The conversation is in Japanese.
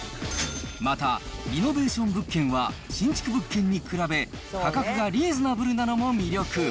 また、リノベーション物件は新築物件に比べ、価格がリーズナブルなのも魅力。